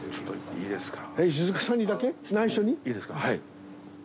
いいですか？